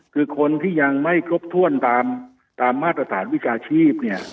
คือคนที่ยังไม่ครบถ้วนตามมาตรฐานวิชาชีพเนี่ย